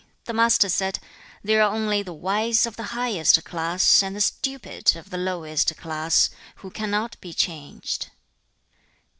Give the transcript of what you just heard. The Master said, 'There are only the wise of the highest class, and the stupid of the lowest class, who cannot be changed.'